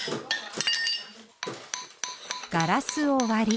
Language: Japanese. ガラスを割り。